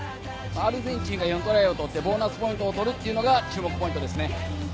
アルゼンチンが４トライを取ってボーナスポイントを取るのが注目ポイントですね。